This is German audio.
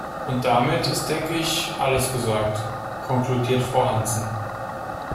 "Und damit ist denke ich alles gesagt", konkludiert Frau Hansen.